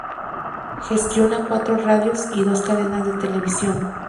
Gestiona cuatro radios y dos cadenas de televisión.